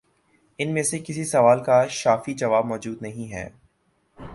ان میں سے کسی سوال کا شافی جواب مو جود نہیں ہے۔